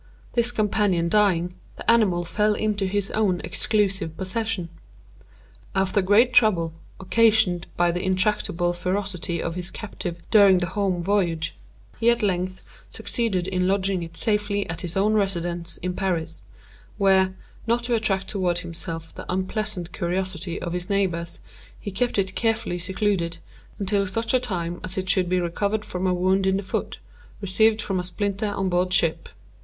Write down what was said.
This companion dying, the animal fell into his own exclusive possession. After great trouble, occasioned by the intractable ferocity of his captive during the home voyage, he at length succeeded in lodging it safely at his own residence in Paris, where, not to attract toward himself the unpleasant curiosity of his neighbors, he kept it carefully secluded, until such time as it should recover from a wound in the foot, received from a splinter on board ship.